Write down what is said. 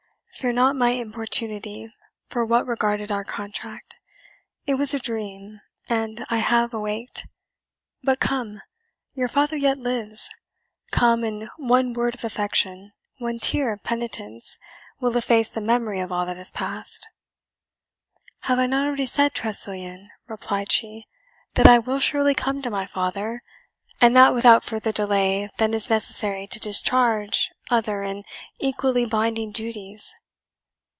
Fear not my importunity for what regarded our contract it was a dream, and I have awaked. But come your father yet lives come, and one word of affection, one tear of penitence, will efface the memory of all that has passed." "Have I not already said, Tressilian," replied she, "that I will surely come to my father, and that without further delay than is necessary to discharge other and equally binding duties?